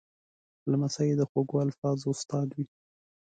لمسی د خوږو الفاظو استاد وي.